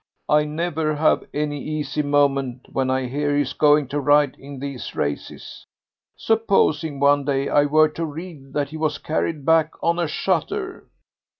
I never have an easy moment when I hear he's going to ride in these races. Supposing one day I were to read that he was carried back on a shutter."